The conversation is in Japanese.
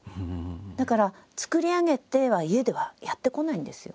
だから作り上げては家ではやってこないんですよ。